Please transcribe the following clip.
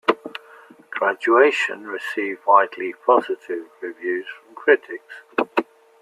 "Graduation" received widely positive reviews from critics.